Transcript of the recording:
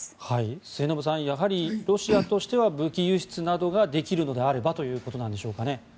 末延さん、やはりロシアとしては武器輸出などができるのであればということなんでしょうかね。